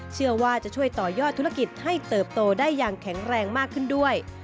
เชื่อว่าจะช่วยต่อยอดธุรกิจให้เติบโตได้อย่างแข็งแรงมากขึ้นด้วย